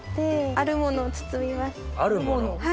あるもの？